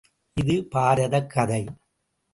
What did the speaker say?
இது பாரதக் கதை.